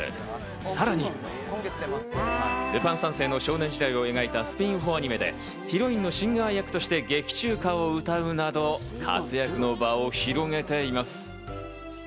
さらに『ルパン三世』の少年時代を描いたスピンオフアニメでヒロインのシンガー役として劇中歌を歌うなど活躍の場を広げています。